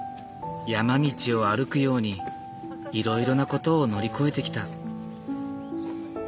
山道を歩くようにいろいろなことを乗り越えてきた。